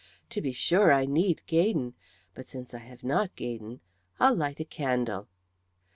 To be sure, I need Gaydon, but since I have not Gaydon, I'll light a candle."